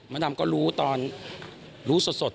ดำก็รู้ตอนรู้สด